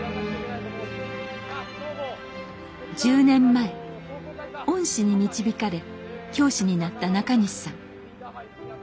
１０年前恩師に導かれ教師になった中西さん。